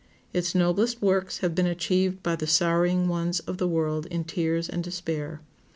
Its noblest works have been achieved by the sorrowing ones of the world in tears and despair.